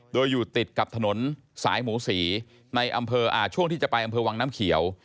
โดยอยู่ติดกับถนนสายหมูศรีในอำเภอช่วงที่จะไปอำเภอวังน้ำเขียว